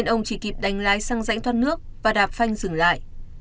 ông chỉ kịp đánh lái sang rãnh thoát nước và đạp phanh dừng lại